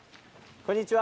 こんにちは。